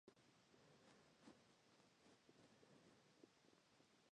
They had a child before he was arrested and his identity revealed to her.